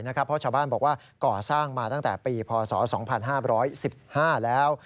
เพราะชาวบ้านบอกว่าก่อสร้างมาตั้งแต่ปีพศ๒๕๑๕แล้ว